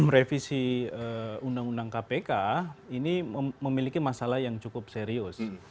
revisi undang undang kpk ini memiliki masalah yang cukup serius